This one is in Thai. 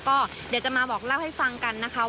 ก็เดี๋ยวจะมาบอกเล่าให้ฟังกันนะคะ